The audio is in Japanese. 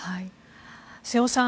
瀬尾さん